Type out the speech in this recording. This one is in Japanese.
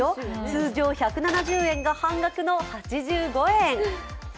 通常１７０円が半額の８５円。